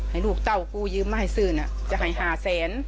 ให้ลูกเต้ากูยืมมาซื่นจะหาย๕๐๐๐๐๐บาท